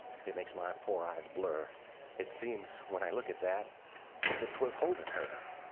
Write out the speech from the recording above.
it makes my poor eyes blur; It seems, when I look at that, as if 'twas holdin' her.